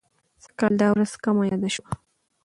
سږ کال دا ورځ کمه یاده شوه.